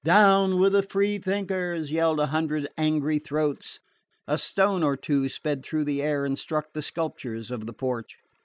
"Down with the free thinkers!" yelled a hundred angry throats. A stone or two sped through the air and struck the sculptures of the porch.